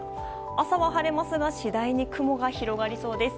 朝は晴れますが次第に雲が広がりそうです。